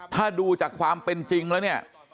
ถ้าดูจากความเป็นจริงแล้วเนี่ย